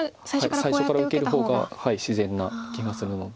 最初から受ける方が自然な気がするので。